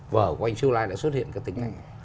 vở của anh chu lai đã xuất hiện các tính cách